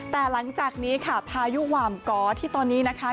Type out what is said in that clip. แต่หลังจากนี้ค่ะพายุหว่ามกอที่ตอนนี้นะคะ